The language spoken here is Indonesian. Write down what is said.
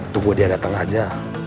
tunggu dia datang aja